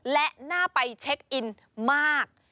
และน่าไปเช็คอินมาก